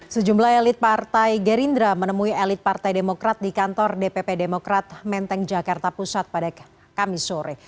sejumlah elit partai gerindra menemui elit partai demokrat di kantor dpp demokrat menteng jakarta pusat pada kamis sore